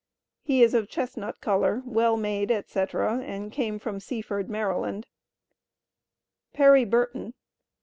He is of chestnut color, well made, &c., and came from Seaford, Md. Perry Burton.